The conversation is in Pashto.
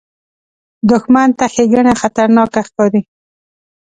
دښمن ته ښېګڼه خطرناکه ښکاري